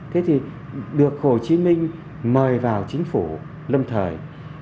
thế thì được hồ chí minh mời vào chính phủ lâm thời